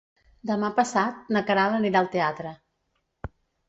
Demà passat na Queralt anirà al teatre.